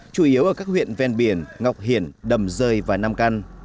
chủ yếu ở các huyện ven biển ngọc hiển đầm rơi và nam căn